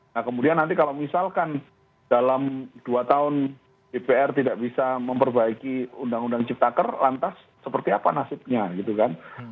nah kemudian nanti kalau misalkan dalam dua tahun dpr tidak bisa memperbaiki undang undang ciptaker lantas seperti apa nasibnya gitu kan